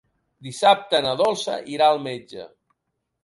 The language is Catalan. Dissabte na Dolça irà al metge.